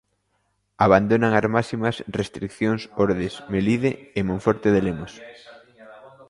Abandonan as máximas restrición Ordes, Melide e Monforte de Lemos.